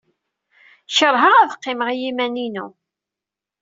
Keṛheɣ ad qqimeɣ i yiman-inu.